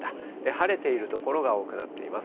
晴れている所が多くなっています。